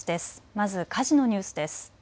まず火事のニュースです。